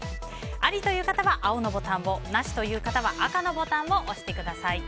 アリという方は青のボタンをナシという方は赤のボタンを押してください。